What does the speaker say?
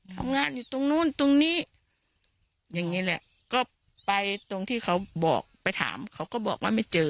ทำงานอยู่ตรงนู้นตรงนี้อย่างนี้แหละก็ไปตรงที่เขาบอกไปถามเขาก็บอกว่าไม่เจอ